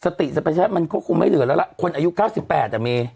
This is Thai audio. สติสเปชะมันควบคุมไม่เหลือแล้วล่ะคนอายุเก้าสิบแปดอ่ะเม